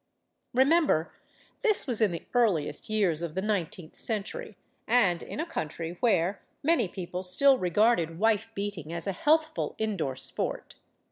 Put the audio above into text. Remember, this was in the earliest years of the nineteenth century, and in a country where many people still regarded wife beating as a healthful indoor sport.